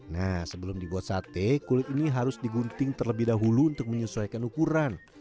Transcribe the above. nah sebelum dibuat sate kulit ini harus digunting terlebih dahulu untuk menyesuaikan ukuran